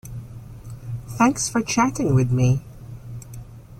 Thanks for chatting with me.